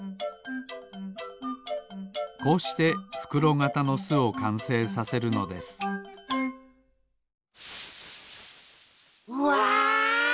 こうしてふくろがたのすをかんせいさせるのですうわ！